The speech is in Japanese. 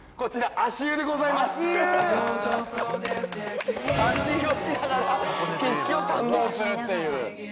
足湯をしながら景色を堪能するっていう。